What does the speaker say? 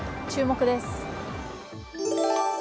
注目です。